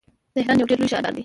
تهران یو ډیر لوی ښار دی.